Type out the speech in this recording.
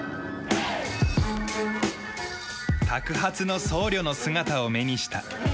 托鉢の僧侶の姿を目にした。